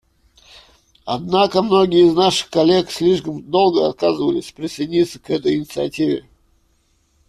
Однако многие из наших коллег слишком долго отказывались присоединиться к этой инициативе.